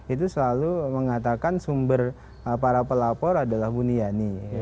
itu selalu mengatakan sumber para pelapor adalah buniani